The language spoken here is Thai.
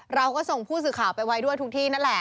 เราก็ส่งผู้สื่อข่าวไปไว้ด้วยทุกที่นั่นแหละ